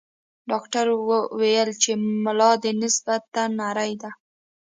ډاکټر ویل چې ملا دې نسبتاً نرۍ ده.